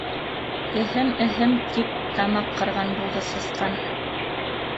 —Эһем-эһем! —тип тамаҡ ҡырған булды Сысҡан.